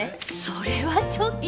それはちょっと。